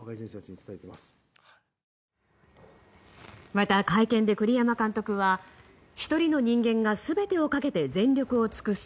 また、会見で栗山監督は１人の人間が全てをかけて全力を尽くす。